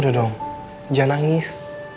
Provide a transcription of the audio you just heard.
udah dong jangan nangis